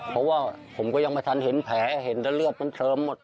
เพราะว่าผมก็ยังไม่ทันเห็นแผลเห็นแต่เลือดมันเชิมหมด